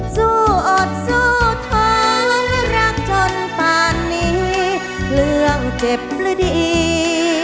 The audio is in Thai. สู้อดสู้ท้อและรักจนป่านนี้เรื่องเจ็บหรือดี